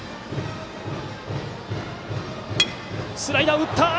スライダーを打った！